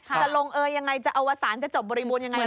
จะลงเอยยังไงจะอวสารจะจบบริบูรณ์ยังไง